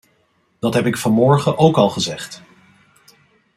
Dat heb ik vanmorgen ook al gezegd.